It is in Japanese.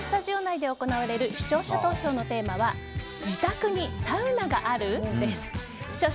本日、せきららスタジオ内で行われる視聴者投票のテーマは自宅にサウナがある？です。